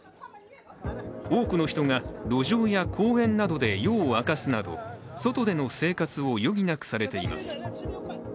多くの人が路上や公園などで夜を明かすなど外での生活を余儀なくされています。